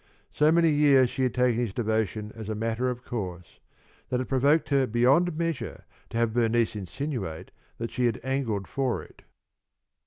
So many years she had taken his devotion as a matter of course, that it provoked her beyond measure to have Bernice insinuate that she had angled for it.